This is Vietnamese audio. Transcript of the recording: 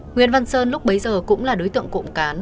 nguyễn văn sơn lúc bấy giờ cũng là đối tượng cộng cán